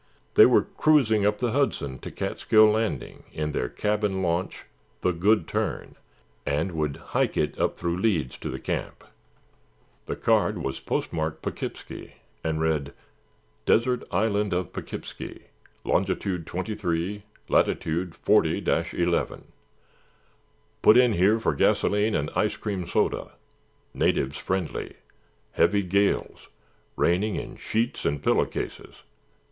They were cruising up the Hudson to Catskill Landing in their cabin launch, the Good Turn, and would hike it up through Leeds to camp. The card was postmarked Poughkeepsie, and read: Desert Island of Poughkeepsie, Longitude 23, Latitude 40 11. "Put in here for gasoline and ice cream soda. Natives friendly. Heavy gales. Raining in sheets and pillow cases.